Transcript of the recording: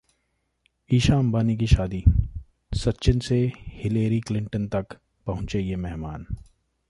ईशा अंबानी की शादी, सचिन से हिलेरी क्लिंटन तक, पहुंचे ये मेहमान